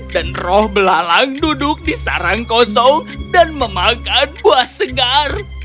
dan roh belalang duduk di sarang kosong dan memakan buah segar